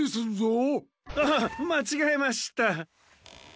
あまちがえました。